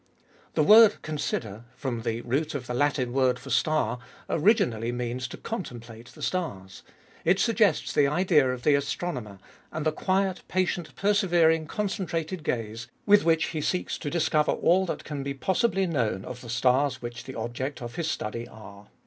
The word consider, from the root of the Latin word for Star, originally means to contemplate the stars. It suggests the idea of the astronomer, and the quiet, patient, persevering, concentrated gaze with which he seeks to discover all that can be possibly known of the stars which the object of his study are.